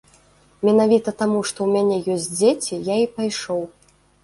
Менавіта таму, што ў мяне ёсць дзеці, я і пайшоў.